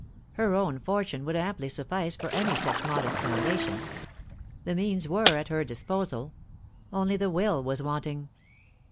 Her own fortune would amply suffice for any such modest foundation. The means were at her disposal. Only the will was wanting.